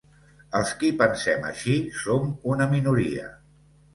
Els qui pensem així som una minoria.